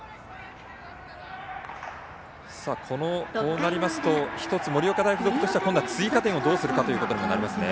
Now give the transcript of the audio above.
こうなりますと１つ盛岡大付属としましては今度は追加点をどうするかとなりますね。